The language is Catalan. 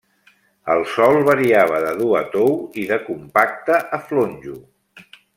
El sòl variava de dur a tou i de compacte a flonjo.